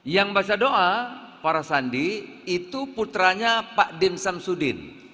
yang bahasa doa para sandi itu putranya pak dim sam sudin